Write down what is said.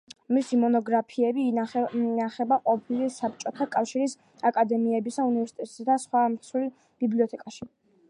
მისი მონოგრაფიები ინახება ყოფილი საბჭოთა კავშირის აკადემიებისა, უნივერსიტეტებისა და სხვა მსხვილ ბიბლიოთეკებში.